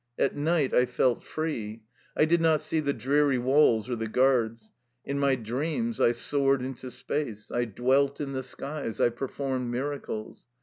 At night I felt free. I did not see the dreary walls or the guards. In my dreams I soared into space, I dwelt in the skies, I per formed miracles.